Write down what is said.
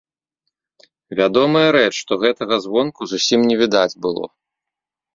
Вядомая рэч, што гэтага звонку зусім не відаць было.